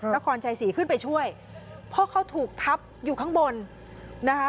นครชัยศรีขึ้นไปช่วยเพราะเขาถูกทับอยู่ข้างบนนะคะ